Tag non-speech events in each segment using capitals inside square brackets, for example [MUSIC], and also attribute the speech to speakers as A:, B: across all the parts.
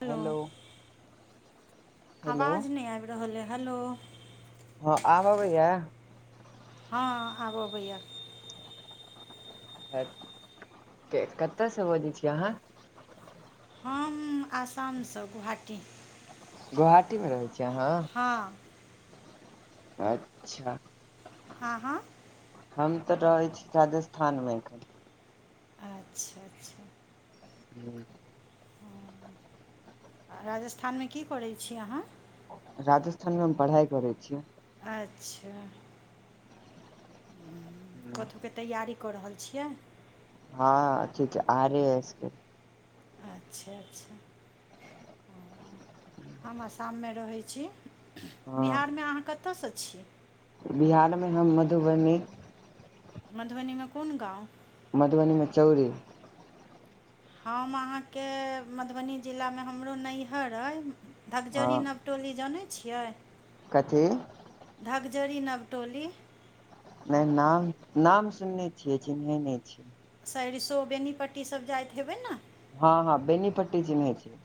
A: hello
B: hello
A: आवाज नहि आबि रहल अइ हेलौ
B: ह आब अबैया
A: हँ आबऽ अबैया
B: कतयसँ बजै छीय अहाँ
A: हम आसामसँ गुहाटी
B: गोहाटी मे रहै छीयै अहाँ
A: हँ
B: अच्छा
A: आहँ
B: हम तऽ रहै छी राजस्थानमे एखन
A: अच्छा अच्छा
B: हू [UNINTELLIGIBLE]
A: हू राजस्थानमे की करै छी अहाँ
B: राजस्थान मे हम पढ़ाई करै छियै
A: अच्छा कतहुके तैयरी कऽ रहल छियै
B: हँ ठीक ह आ रहे हैस
A: अच्छा अच्छा हम आसामे रहैत छी
B: हँ
A: बिहारमे अहाँ कतयसँ छी
B: बिहार में ना मधुबनी
A: मधुबनी में कोन गाँव
B: मधुबनी में चौरी
A: हम अहाँके मधुबनी जिलामे हमरो नैहर अइ
B: हँ
A: धकजरी न टोली जानै छियै
B: कथी
A: धकजरी नवटोली
B: नहि नाम नाम सुनने छियै चिन्है नहि छियै
A: सरिसो बेनीपट्टी सब जाइत हेबै ने
B: हँ हँ बेनीपट्टी चिन्है छै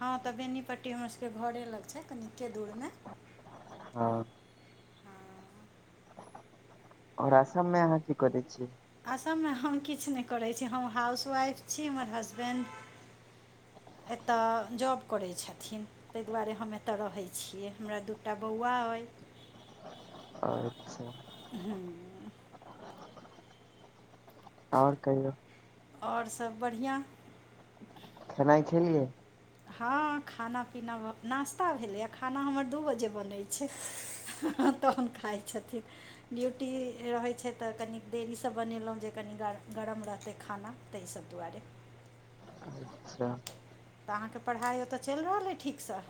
A: हँ तऽ बेनीपट्टी हमर सबके घरे लग छै कनिके दूर में
B: हँ
A: हँ
B: ओर असममे अहाँ की करैत छियै
A: असममे हम किछ नहि करैत छी हम हाउसवाइफ छी हमर हसबैंड एतय जॉब करै छथिन तहि दुआरे हम एतय रहैत छियै हमरा दूटा बौआ अइ
B: अच्छा
A: हँ
B: ओर कहियो
A: ओर सब बढ़िआँ
B: खाना खेलियै
A: हँ खाना पीना नास्ता भेलैए खाना हमर दू बजे बनै छै तहन खाइ छथिन ड्यूटी रहै छै तऽ कनी देरीसँ बनेलहुँ जे कनि गरम रहतै खाना तऽहि ई सभदआरे
B: अच्छा
A: तऽ अहाँके पढ़ाइ ओतय चलि रहल अइ ठीकसँ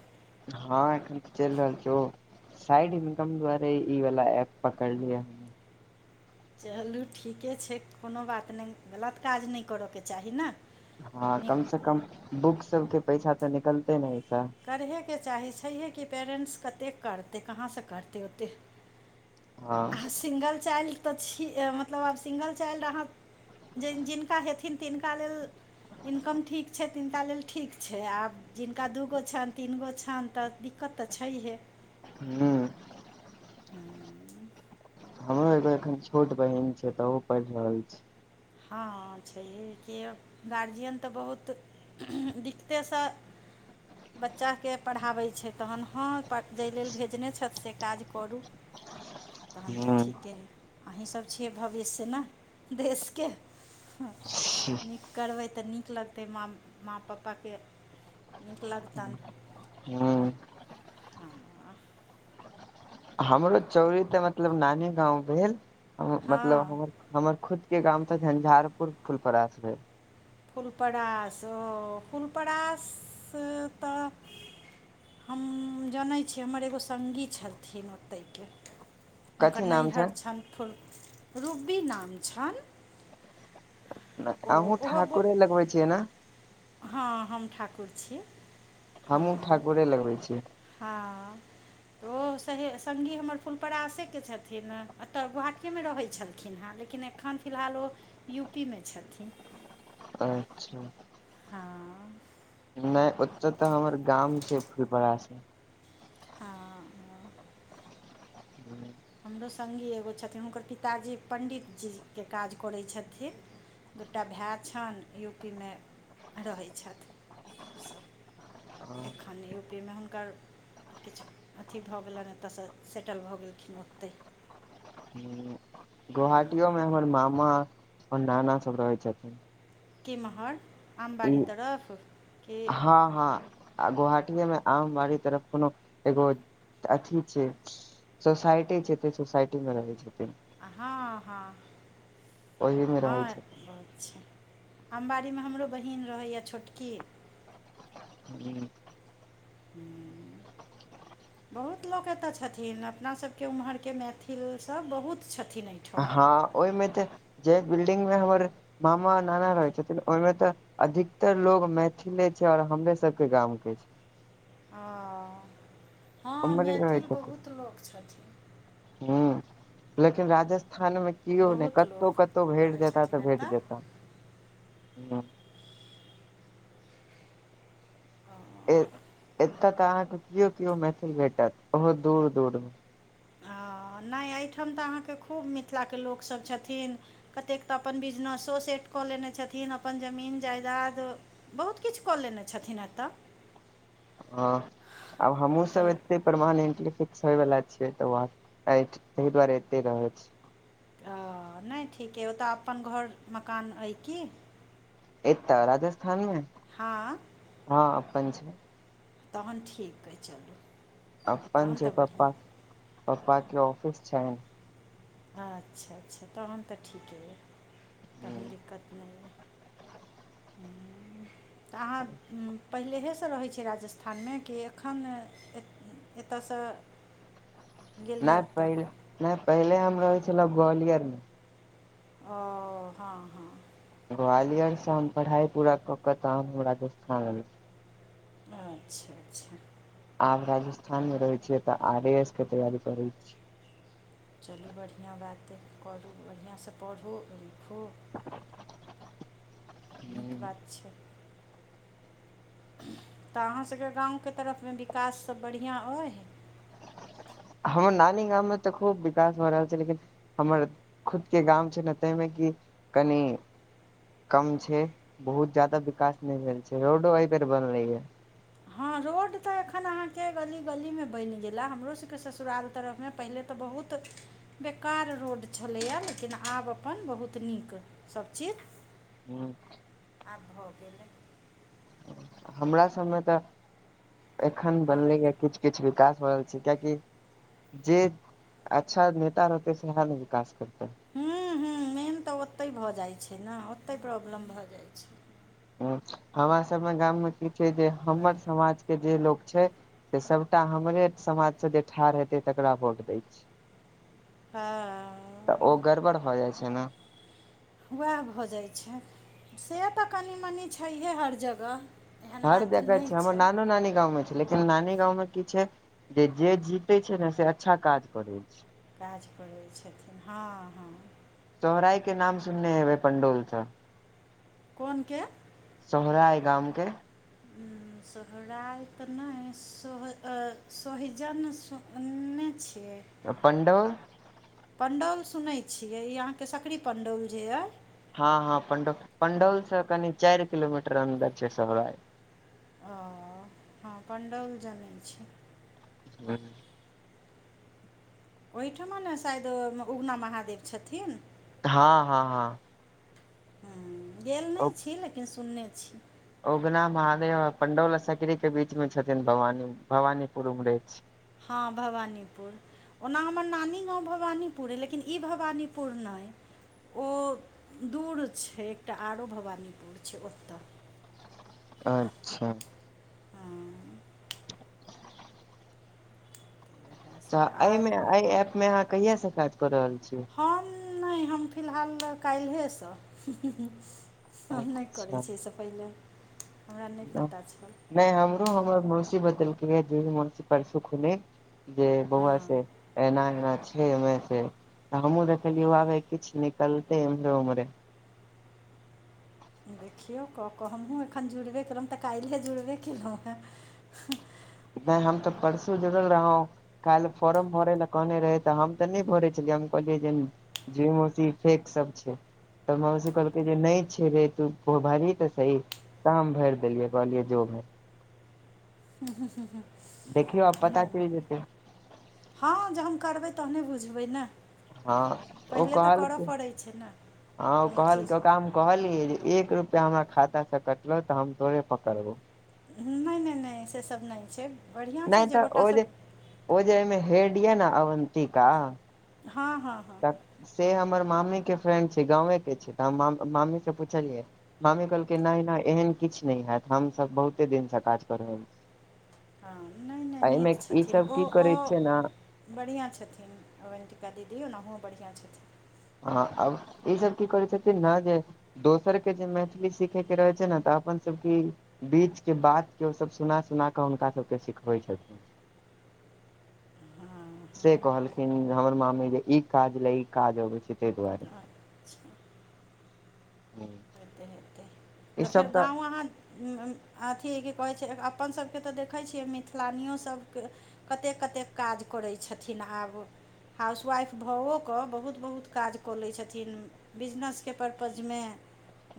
B: हँ एखन तऽ चलि रहल छै साइड इनकम द्वारे ई वला एप पकड़लियै हम
A: चलू ठीके छै कोनो बात नहि गलत काज नहि करयके चाही ने
B: हँ
A: नीक
B: कम से कम बुक सबके पैसा तऽ निकलते ने ऐस
A: करहेके चाही छैहे कि पैरेन्ट्स कतेक करतै कहाँसँ करतै ओतेक
B: हँ
A: आब सिंगल चाइल्ड तऽ छी मतलब आब सिंगल चाइल्ड अहाँ ज जिनका हेथिन तिनका लेल इनकम ठीक छै तिनक लेल ठीक छै आब जिनका दूगो छनि तीन गो छनि तऽ दिक्कत तऽ छैहे
B: हूँ
A: हँ
B: हमरो एगो एखन छोट बहिन छै त ओ पढ़ रहल छै
A: हँ छैहे कि गार्जियन तऽ बहुत देखतैसँ बच्चाके पढ़ाबै छै तहन हँ जाहि लेल भेजने छथि से काज करू
B: ह
A: तहन तऽ ठीके ने अहीँसभ छियै भविष्य ने देश के नीक करबै तऽ नीक लगतै माँ माँ पप्पाके मीक लत
B: हूँ
A: हँ
B: हमरो चौरी तऽ मतलब नानी गाँव भेल
A: हँ
B: मतलब हमर हमर खुद के गाम तऽ झंझारपुर फुलपास भेल
A: फुलपरास ओ फुलपरास तऽ हम जनै छी हमर एगो संगी छलथिन ओतयके हुनकर
B: कथी नाम छै
A: नैहर छनि फुल रूबी नाम छनि ओ
B: अहुँ
A: ओहो
B: ठाकुरे लगबै छियै ने
A: हँ हम ठाकुर छी
B: हमूँ
A: हँ,
B: ठाकुरे लगबै छीयै
A: हँ ओ से संगी हमर फुलपरासेके छथिन एतऽ गोहाटीेमे रहै छलखिन हँ लेकिन एखन फिलहाल ओ यू पी में छलखिन
B: अच्छा
A: हँ,
B: नहि ओ तऽ हमर गाम छै फुलपा से
A: हँ
B: हूँ
A: हमरो संगी एगो छथिन हुनकर पिताजी पण्डितजीके काज करै छथिन दू टा भाय छनि यू पी मे रहै छथि
B: [INAUDIBLE]
A: सभ एखन यू पी में हुनकर किछु अथी भऽ गेलनि एतऽसँ सेटल भऽ गेलखिन ओतै
B: गोहाटियो में हमर मामा ओर नाना सब रहै छथिन
A: केमहर
B: ई
A: आमबाड़ी तरफ के
B: हँ हँ आ गोहाटीे में आम बाड़ी तरफ कोनो एगो अथी छै सोसाइटी छैऽ सोसाइटी में रहैत छथिन
A: हँ हँ
B: ओहि मे रहै
A: हँ बहुत छै अमबड़ी में हमरो बहीन रहैए छोटकीये
B: ही
A: हूँ बहुत लोक एतय छथिन अपना सभ के ओम्हर के मैथिलसब बहुत छथिन एहि
B: हँ ओहिमे तऽ जे बिल्डिंग में हमर मामा नाना रहै छथिन ओहिमे तऽ अधिकतर लोग मैथिले छै और हमरे सबके गाम के छै
A: ओ हँ
B: हमरे रहै
A: मैथिल बहुत लोक छथिन
B: हं लेकिन राजस्थानमें केओ नहि
A: बहुत
B: कतहु
A: लोक
B: कतहु भेट
A: रहै
B: जेता तऽ
A: छथिन
B: भेट
A: एतऽ
B: जेता हूँ ए
A: ओ
B: एतय तऽ अहाँके केओ केओ मैथिल भेटत बहुत दूर दूर में
A: हँ नहि एहिठाम तऽ अहाँके खूब मिथिला के लोक सब छथिन कतेक तऽ अपन बिजनेसो सेट कऽ लेने छथिन अपन जमीन जायदाद बहुत किछु कऽ लेने छथिन एतय
B: हँ आब हमहुँ सब
A: अपन
B: परमानेंटली फिक्स होय वाला छ त त दुआरे एते रहे छै
A: ओ नहि ठीक अइ ओतऽ अपन घर मकान अइ की
B: एत राजस्थान
A: हँ
B: हँ अपन छै
A: तहन ठीक अइ चलु
B: अपन छै पप्पा पप्पा के ऑफिस छै
A: अच्छा अच्छा तहन तऽ ठीके यऽ तहन दिक्कत नहि यऽ तऽ अहाँ पहिलेहे से रहै छै राजस्थान मे कि एखन एतऽ से
B: नहि पहिले नहि पहिले हम रहै छलहु ग्वालियर मे
A: ओ हँ हँ
B: ग्वालियरसँ हम पढ़ाइ पूरा कऽ कऽ तहन हम राजस्थान एलहु
A: अच्छा अच्छा
B: आब राजस्थान मे रहे छियै तऽ आर एस के तैयारी करै छी
A: चलू बढ़िआँ बात येए पढु बढ़िआँ से पढ़ू लिखो
B: हूँ
A: नीक बात छै तऽ अहाँ सबके गाँव के तरफ मे विकास सब बढ़िआँ अइ
B: हमर नानी गाम मे तऽ खूब विकास भ रहल छै लेकिन हमर खुद के गाम छै ने ताहिमे कि कनि कम छै बहुत ज्यादा विकास नहि भेल छै रोडो एहि बेर बनले ये
A: हँ रोड तऽ एखन अहाँ के गली गली मे बनि गेल ह हमरो सबके ससुराल तरफ मे पहिले तऽ बहुत बेकार रोड छलैए लेकिन आब अपन बहुत नीक सभ चीज
B: हू
A: आब भऽ गेलै
B: हमरा सभमे तऽ एखन
A: आब
B: बनलैए किछ किछ विकास हो रहल छै कियाकि जे अच्छा नेता रहतेै सेहा ने विकास करतेै
A: ह्मँ हूँ मेन तऽ ओतहि भऽ जाइत छै ने ओतहि प्रॉब्लम भऽ जाइत छै
B: हमरा सबमे गाम मे की छै जे
A: वएह
B: हमर समाज के जे लोग छै से सबटा हमरे समाज से जे ठाढ़ हेतै तकरा भोट दय छै [INAUDIBLE]
A: हँ
B: तऽ ओ गड़बड़ भ जाइ छै ने
A: उएह भऽ जाइत छै से तऽ कनि मनि छैहे हर जगह एहन
B: हर
A: बात
B: जगह
A: नहि
B: छै हमर नानो नानी गाँव मे छै लेकिन नानी गाँंवमे की छै जे जे जीतै छै ने से अच्छा काज करै छै
A: काज करै छथिन हँ हँ
B: चौहराय के नाम सुनने हेबै पंडोल सब
A: कोन के
B: सोहरा है गाम के [INAUDIBLE]
A: सोहराति नहि सोह अ सोहजन सुनने छियै
B: पण्डॉल
A: पण्डौल सुनैत छियै ई अहाँके सकरी पण्डौल जे यए
B: हँ हँ पंड पंडौल से कनि चारि किलोमीटर अन्दर छै सोहराय
A: ओ हँ पण्डौल जनैत छी
B: [UNINTELLIGIBLE]
A: ओहिठमन शायद उगना महादेव छथिन
B: हँ हँ हँ
A: ह गेल
B: ओ
A: नहि छी लेकिन सुनने छी
B: उगना महादेव पण्डौल सकरीके बीचमे छथिन भवानी भवानीपुर उमरै छै
A: हँ भवानीपुर ओना हमर नानी गामव भवानीपुर अइ लेकिन ई भवानीपुर नहि ओ दूर छै एकटा आरो भवानीपुर छै ओतऽ
B: अच्छा
A: हँ इएह
B: तऽ
A: सब
B: एहिमे
A: आर
B: एहि एप में अहाँ कहिया से काज क रहल छीयै
A: हम नहि हम फिलहाल कालहे से हम नहि करैत छीय
B: अच्छा
A: एहिसँ पहिले हमरा नहि पता छल
B: नहि हमरो हमर मौसी बदेलकै जे मौसी परसो खुले जे बहुआ छै
A: हँ
B: एना एना छै से हमहहुँ देखलियै आबे किछु निकलते इम्हरे उम्हरे
A: देखियौ कऽ कऽ हमहूँ एखन जुड़बे केललहुँ तऽ काल्हिए जुड़बे कयलहुँ हेॅ
B: नहि हम तऽ परसू जरल रहऊँ काल्ह फॉर्म भरय लए कहने रहै तऽ हम तऽ नहि भरै छलियै हम कहलियै जे जी मोसी फेेक सब छे तऽ मोउसी कहलकै जे नहि छेड़े तु भारही तऽ सही तऽ हम भरि देलियै कहलियै जो मे
A: हू हू हू
B: देखियौ आब पता चैल जेतै
A: हँ जहन करबै तहने बुझबै ना
B: हँ ओ कहलक
A: छै ने
B: हँ ओ
A: कोनो
B: कहलक
A: चीज
B: ओकरामे कहलियै जे एक रुपआ हमरा खातासँ कटलो तऽ हम तोरे पकड़बौ
A: नहि नहि नहि से सब नहि छै बढ़िआँ
B: नहि
A: छै
B: तऽ
A: गोटा
B: ओ
A: सभ
B: जे ओ जैमे हेड यऽ ने अवन्तिका
A: हँ हँ हॅ
B: तऽ से हमर मामी के फ्रेंड छै गावे के छै तऽ हम मामी से पुछलिए माम्मी कहलकै नहि नहि एहन किछु नहि हैत हमसभ बहुते दिन से काज क रहल छिऐ
A: हँ नहि नहि
B: एहि मे ई सब की करै छियै ना
A: बढ़िया छथिन वन्तिका दीदी ओनाहो बढ़ियाँ छथिन
B: हँ आब ई सब की करै छथिन ना जे दोसरके जे मैथिली सीखयके रहैत छै न तऽ अपन सभके बीच के बात के ओ सब सुना सुना कऽ हुनका सब के सिखबै छथिन से कहलखिन हमर मामी जे ई काज लए ई काज अबै छै तहि दुआरे
A: अच्छा
B: हू
A: हेतै हेतै तऽ फेर गाँव आहा अथी की कहै छै अपन सभके तऽ देखै छियै मिथिलान्यो सभके कतैक कतैक काज करै छथिन आब हाउसवाइफ भाओ कऽ बहुत बहुत काज कऽ लै छथिन्ह बिजनेसके पर्पजमे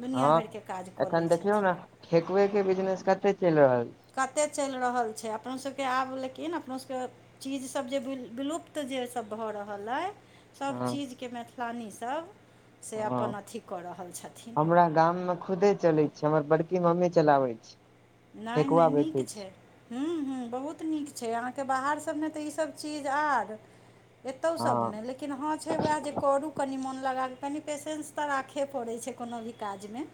A: दुनिआँ
B: हँ
A: भरिके काज कऽ लै
B: एखन देखियौ ने
A: छथिन
B: ठेकबे के बिजनेस कते चलि रहल
A: कतेक चलि रहल छै अपनोसभके आब लेकिन अपनो सभके चीजसभ जे विलुप्त जेसभ भऽ रहल अए सभ
B: हँ
A: चीजके मैथिलानी सभ से
B: हँ
A: अपन अथी कऽ रहल छथिन
B: हमरा गाममे खुदे चलैत छै हमर बड़की मम्मी चलाबैत छै
A: नहि नहि
B: ठेकुआ
A: नीक
B: बेचै
A: छै ह्मँ ह्मँ बहुत नीक छै अहाँके बाहर सभमे तऽ ईसभ चीज आर एतौ सब
B: हँ
A: नहि लेकिन हँ छै वएह जे करू कनि मोन लगाक कनि पेशेन्स तऽ राखे पड़ैत छै कोनो भी काजमे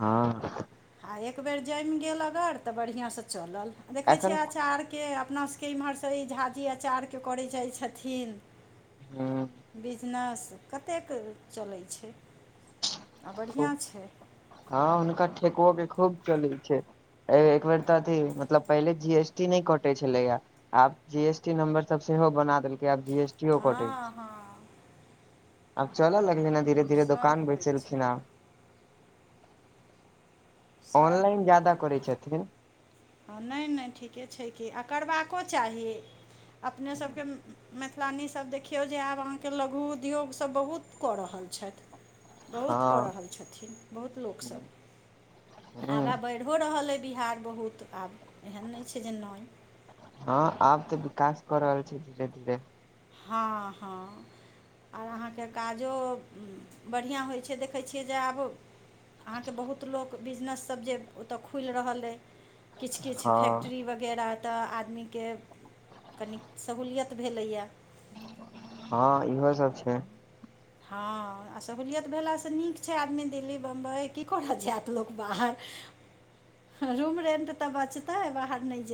B: हँ
A: आ एक बेेर जैम गेल अगर तऽ बढ़िआँसँ चलल देखै छियै
B: एखन
A: आचार के अपना सबके इम्हरसँ ई झाझी अचारके करै जाइ छथिन्ह
B: हूँ
A: बिजनेस कतेक चलै छै आ
B: खूब
A: बढ़िआॅछै
B: हँ हुनका ठेकओ के खूब चलैत छै एक बेर तऽ अथी मतलब पहिले जी एस टी नहि कटे छलैया आब जी एस टी नम्बर स सेहो बना देलकै आब जी एस कटै
A: हँ
B: छै
A: हँ
B: आब चलऽ लगलै ने धीरे धीरे
A: सभ
B: दोकान
A: होइ छै
B: बेचेलखिनहे
A: सभ
B: ऑनलाइन ज्यादा करै छथिन
A: आ नहि नहि ठीके छै कि आ करबाको चाही अपने सभके मैथिलानीसभ देखियौ जे आब अहाँके लघु उद्योग सभ बहुत कऽ रहल छथि बहुत कऽ
B: हँ
A: रहल छथिन बहुत
B: ह
A: लोकसभ आगाँ बढ़ि हो रहल अइ बिहार बहुत आब एहन नहि छै जे नहि
B: हँ आब तऽ विकास कऽ रहल छै धीरे धीरे
A: हँ हँ आर अहाँके काजो बढ़िआँ होइ छै देखै छियै जे आब अहाँके बहुत लोक बिजनसभ जे ओतय खुल रहल अइ किछ किछ
B: हँ
A: फैक्ट्री वगैरह तऽ आदमी के कनीक सहूलियत भेलैय
B: हँ इहो सब छै
A: हँ आ सहूलियत भेलासँ नीक छै आदमी दिल्ली बम्बइ की करय जायत लोक बाहर
B: ह [INAUDIBLE]
A: रूम रेंट तऽ बचतेै बाहर न जे